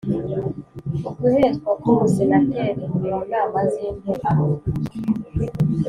Uguhezwa k Umusenateri mu nama z Inteko